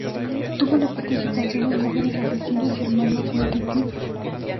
Tuvo una participación en "Mujeres asesinas" y "Hermanos y detectives".